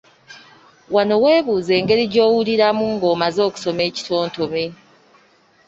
Wano weebuuze engeri gy’owuliramu ng’omaze okusoma ekitontome.